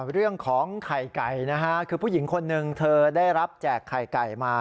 เรื่องของไข่ไก่นะฮะคือผู้หญิงคนหนึ่งเธอได้รับแจกไข่ไก่มา